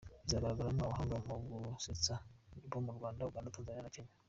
Kizagaragaramo abahanga mu gusetsa bo mu Rwanda, Uganda, Tanzania na Kenya.